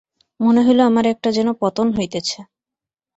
মনে হইল আমার একটা যেন পতন হইতেছে।